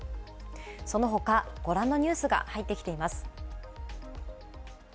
その他、ご覧のニュースが入ってきています。